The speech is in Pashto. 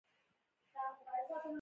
خوشحالي راوړو.